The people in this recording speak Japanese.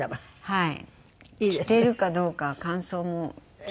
はい。